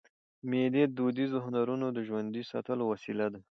مېلې د دودیزو هنرونو د ژوندي ساتلو وسیله ده.